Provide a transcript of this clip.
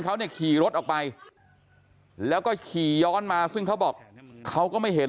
เขาเนี่ยขี่รถออกไปแล้วก็ขี่ย้อนมาซึ่งเขาบอกเขาก็ไม่เห็น